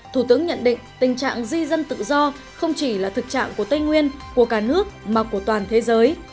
thủ tướng nhận định tình trạng di dân tự do không chỉ là thực trạng của tây nguyên của cả nước mà của toàn thế giới